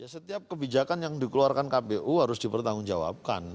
setiap kebijakan yang dikeluarkan kpu harus dipertanggungjawabkan